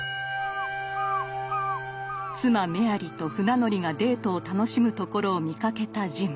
妻メアリと船乗りがデートを楽しむところを見かけたジム。